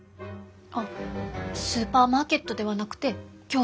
あっスーパーマーケットではなくて共同売店です。